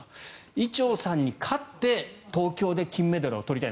伊調さんに勝って東京で金メダルを取りたい。